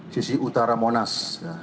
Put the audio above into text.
sisi utara monas